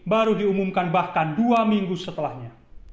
baru diumumkan bahkan dua minggu setelahnya